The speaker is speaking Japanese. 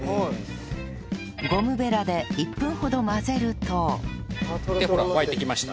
ゴムベラで１分ほど混ぜるとでほら沸いてきました。